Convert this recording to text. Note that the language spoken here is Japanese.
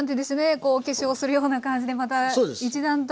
こうお化粧するような感じでまた一段と。